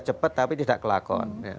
cepat tapi tidak kelakon